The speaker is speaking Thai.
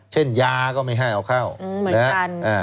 เช่นยาก็ไม่ให้เอาเข้าเหมือนกัน